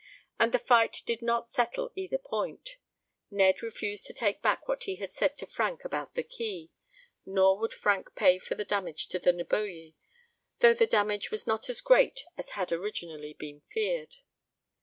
And the fight did not settle either point. Ned refused to take back what he had said to Frank about the key. Nor would Frank pay for the damage to the Neboje, though the damage was not as great as had originally been feared.